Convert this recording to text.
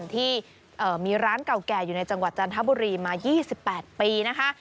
ที่มีร้านเก่าแก่อยู่ในจังหวัดจันทบุรีมา๒๘ปีนะคะ